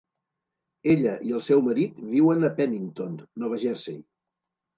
Ella i el seu marit viuen a Pennington, Nova Jersey.